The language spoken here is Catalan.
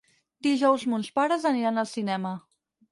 Dijous mons pares aniran al cinema.